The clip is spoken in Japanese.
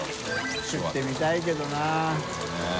食ってみたいけどな。ねぇ。